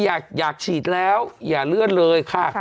อยากฉีดแล้วอย่าเลื่อนเลยค่ะ